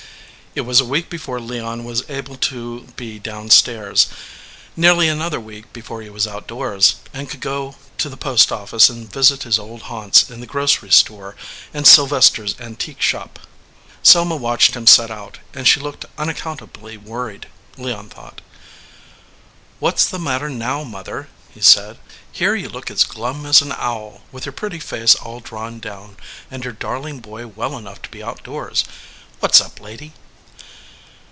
It was a week before Leon was able to be down stairs, nearly another week before he was out doors, and could go to the post office and visit his old haunts in the grocery store and Sylvester s Antique Shop. Selma watched him set out, and she looked un accountably worried, Leon thought. "What s the matter now, mother?" he said. "Here you look as glum as an owl, with your pretty face all drawn down, and your darling boy well enough to be outdoors. What s up, lady